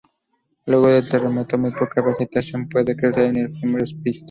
Luego del terremoto muy poca vegetación puede crecer en el "Homer Spit".